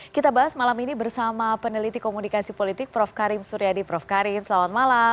kita bahas malam ini bersama peneliti komunikasi politik prof karim suryadi prof karim selamat malam